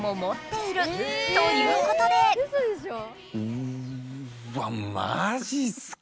うっわマジすか？